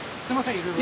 いろいろ。